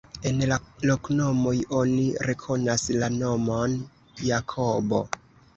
En la loknomoj oni rekonas la nomon Jakobo.